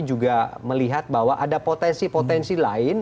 juga melihat bahwa ada potensi potensi lain